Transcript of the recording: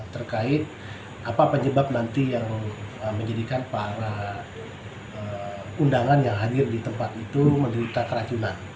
terkait apa penyebab nanti yang menjadikan para undangan yang hadir di tempat itu menderita keracunan